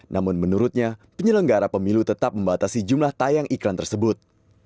namun menurutnya penyelenggara pemilu tetap membatasi jumlah tayang iklan tersebut